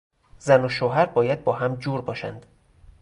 زن و شوهر باید با هم جور باشند.